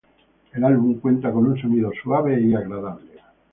El álbum cuenta con un sonido suave y agradable.